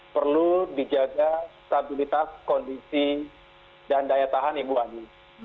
perlu dijaga stabilitas kondisi dan daya tahan ibu ani